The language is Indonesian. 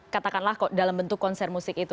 katakanlah kok dalam bentuk konser musik itu